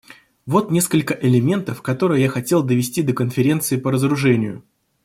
Вот несколько элементов, которые я хотел довести до Конференции по разоружению.